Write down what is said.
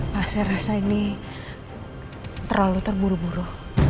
saya rasa ini terlalu terburu buru